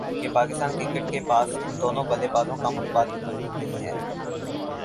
کہ پاکستان کرکٹ کے پاس ان دونوں بلے بازوں کا متبادل موجود نہیں ہے